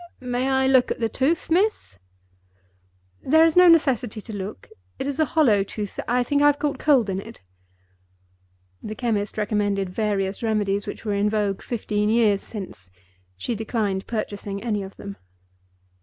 "May I look at the tooth, miss?" "There is no necessity to look. It is a hollow tooth. I think I have caught cold in it." The chemist recommended various remedies which were in vogue fifteen years since. She declined purchasing any of them.